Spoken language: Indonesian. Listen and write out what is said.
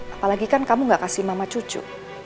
apalagi kan kamu gak kasih mama cucu